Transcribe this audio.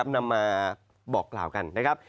นำมาบอกกล่าวกันนะครับ